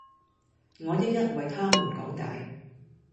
我一一為他們講解